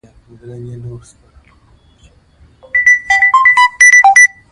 له ما څخه مخکې نورو هلکانو رااېستى وو.